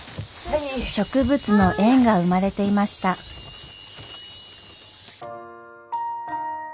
植物の縁が生まれていました。